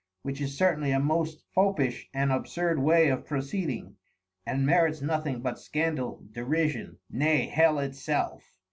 Which is certainly a most foppish and absurd way of Proceeding, and merits nothing but Scandal, Derision, nay Hell itself.